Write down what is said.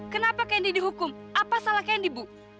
kenapa candy dihukum apa salah candy bu